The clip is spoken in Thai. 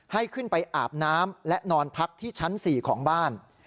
ให้ขึ้นไปอาบน้ำและนอนพักที่ชั้น๔ของบ้าน